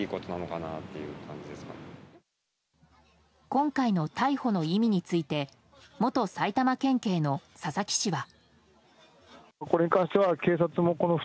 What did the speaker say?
今回の逮捕の意味について元埼玉県警の佐々木氏は。